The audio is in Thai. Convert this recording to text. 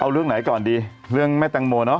เอาเรื่องไหนก่อนดีเรื่องแม่แตงโมเนาะ